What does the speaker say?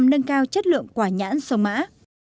dựng quả nhãn sông mã